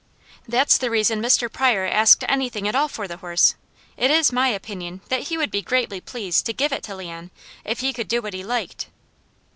"That's the reason Mr. Pryor asked anything at all for the horse. It is my opinion that he would be greatly pleased to give it to Leon, if he could do what he liked."